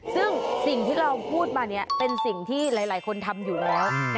ซึ่งสิ่งที่เราพูดมานี้เป็นสิ่งที่หลายคนทำอยู่แล้ว